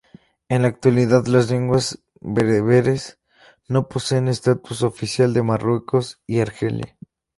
En la actualidad las lenguas bereberes no poseen estatus oficial en Marruecos y Argelia.